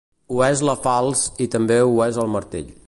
Ho és la falç i també ho és el martell.